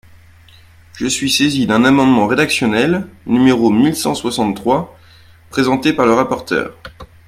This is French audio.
Je suis saisi d’un amendement rédactionnel, numéro mille cent soixante-trois, présenté par le rapporteur.